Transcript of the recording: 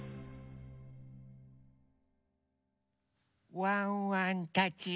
ワンワンたち。